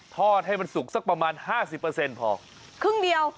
ทอดให้มันสุกสักประมาณ๕๐พอครึ่งเดียว